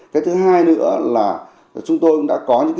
cái thứ hai nữa là chúng tôi cũng đã có những